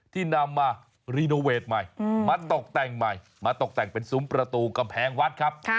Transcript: ที่นำมารีโนเวทใหม่มาตกแต่งใหม่มาตกแต่งเป็นซุ้มประตูกำแพงวัดครับ